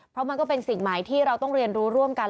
เพราะมันก็เป็นสิ่งใหม่ที่เราต้องเรียนรู้ร่วมกัน